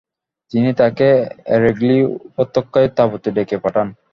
তিনি তাকে এরেগ্লি উপত্যকায় তাঁবুতে ডেকে পাঠান।